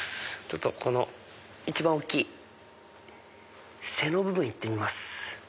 ちょっとこの一番大きい背の部分行ってみます。